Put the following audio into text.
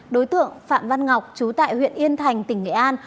đối tượng phạm văn ngọc chú tại huyện yên thành tỉnh nghệ an